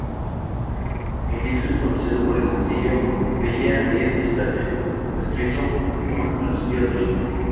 El disco es conocido por el sencillo "Bella d’estate", coescrito con Lucio Dalla.